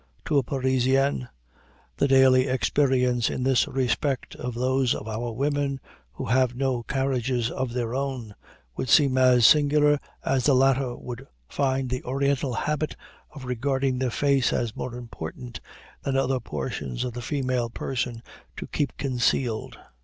To a Parisian the daily experience in this respect of those of our women who have no carriages of their own, would seem as singular as the latter would find the Oriental habit of regarding the face as more important than other portions of the female person to keep concealed.